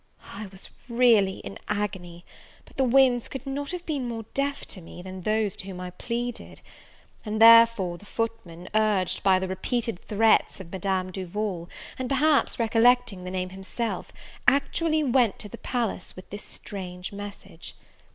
I was really in an agony; but the winds could not have been more deaf to me, than those to whom I pleaded! and therefore the footman, urged by the repeated threats of Madame Duval, and perhaps recollecting the name himself, actually went to the palace with this strange message!